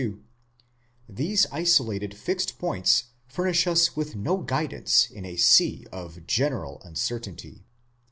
2), these isolated fixed points furnish us with no guidance ina sea of general uncertainty.